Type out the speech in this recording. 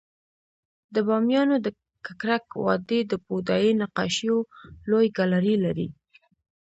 د بامیانو د ککرک وادی د بودایي نقاشیو لوی ګالري لري